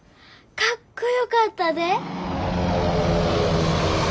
かっこよかったで。